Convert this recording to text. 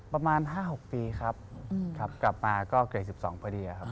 ประมาณ๕๖ปีครับครับกลับมาก็เกรด๑๒พอดีครับ